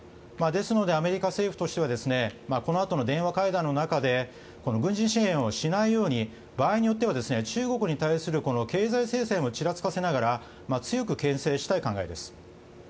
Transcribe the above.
ですので、アメリカ政府としてはこのあとの電話会談の中で軍事支援をしないように場合によっては中国に対する経済制裁もちらつかせながら強く牽制したい考えです。